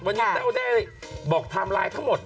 วันนี้แต้วได้บอกไทม์ไลน์ทั้งหมด